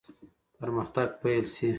پرمختګ پیل شي.